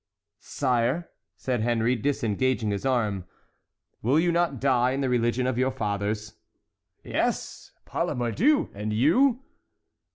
"Sire," said Henry, disengaging his arm, "will you not die in the religion of your fathers?" "Yes, par la mordieu! and you?"